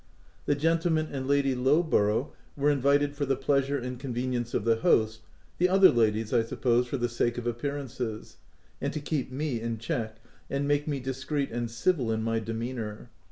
The gentlemen and Lady Lowborough were in vited for the pleasure and convenience of the host, the other ladies, I suppose for the sake of appearances ; and to keep me in check and make me discreet and civil in my demeanour.